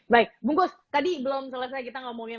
baik bungkus tadi belum selesai kita ngomongin